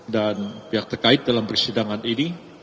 dan pihak terkait dalam persidangan ini